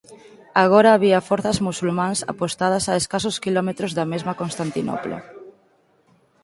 Agora había forzas musulmás apostadas a escasos quilómetros da mesma Constantinopla.